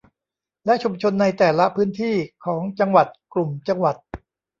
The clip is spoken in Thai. และชุมชนในแต่ละพื้นที่ของจังหวัดกลุ่มจังหวัด